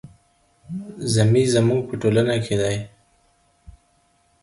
ذمي زموږ په ټولنه کي دی.